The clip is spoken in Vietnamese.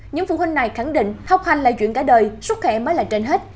những phụ huynh này khẳng định học hành là chuyện cả đời suốt kẻ mới là trên hết